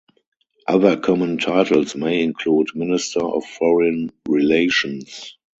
Other common titles may include "Minister of Foreign Relations".